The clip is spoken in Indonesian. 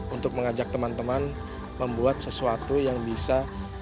untuk mengajak teman teman membuat sesuatu yang bisa